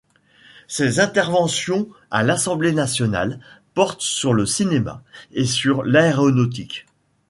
Ses interventions à l'Assemblée nationale portent sur le cinéma et sur l'aéronautique.